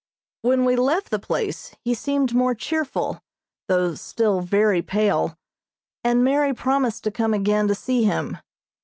When we left the place he seemed more cheerful, though still very pale, and Mary promised to come again to see him.